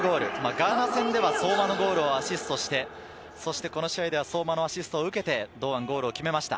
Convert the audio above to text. ガーナ戦では相馬のゴールをアシストして、そしてこの試合では相馬のアシストを受けて、堂安がゴールを決めました。